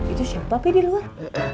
itu siapa pak di luar